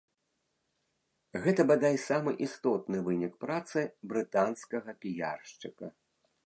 Гэта, бадай, самы істотны вынік працы брытанскага піяршчыка.